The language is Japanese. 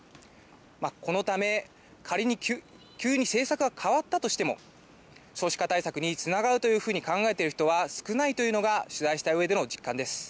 このため、仮に急に政策が変わったとしても、少子化対策につながるというふうに考えている人は少ないというのが、取材したうえでの実感です。